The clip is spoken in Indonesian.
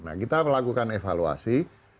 nah kita melakukan evaluasi